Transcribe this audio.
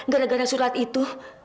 gara gara surat itu